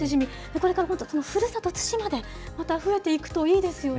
これから本当、ふるさと対馬で、また増えていくといいですよね。